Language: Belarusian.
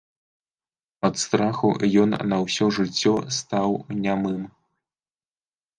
Ад страху ён на ўсё жыццё стаў нямым.